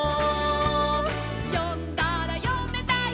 「よんだらよめたよ」